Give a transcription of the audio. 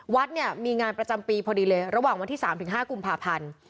วัดเนี่ยมีงานประจำปีพอดีเลยระหว่างวันที่๓๕กุมภาพันธ์